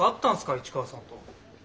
市川さんと。